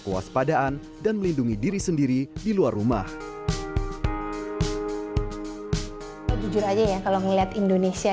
kewaspadaan dan melindungi diri sendiri di luar rumah jujur aja ya kalau ngeliat indonesia